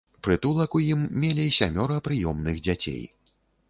Прытулак у ім мелі сямёра прыёмных дзяцей.